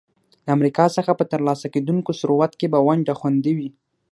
له امریکا څخه په ترلاسه کېدونکي ثروت کې به ونډه خوندي وي.